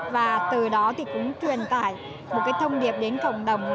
và từ đó thì cũng truyền tải một cái thông điệp đến cộng đồng